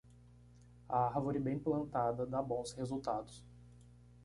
A árvore bem plantada dá bons resultados.